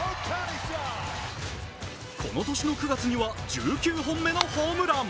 この年の９月には１９本目のホームラン。